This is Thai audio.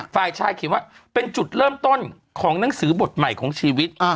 ฝ่ายชายเขียนว่าเป็นจุดเริ่มต้นของหนังสือบทใหม่ของชีวิต